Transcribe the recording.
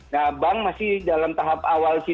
nah bank masih dalam tahap awal sih